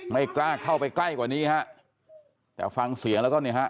ไม่กล้าเข้าไปใกล้กว่านี้ฮะแต่ฟังเสียงแล้วก็เนี่ยฮะ